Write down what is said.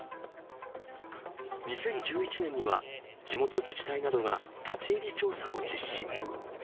２０１１年には地元自治体などが立ち入り調査を実施。